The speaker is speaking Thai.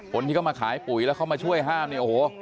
คนที่เขามาขายปุ๋ยแล้วเข้ามาช่วยห้ามเนี่ยโอ้โห